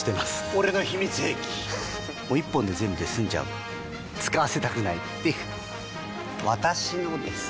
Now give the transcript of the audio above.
俺の秘密兵器１本で全部済んじゃう使わせたくないっていう私のです！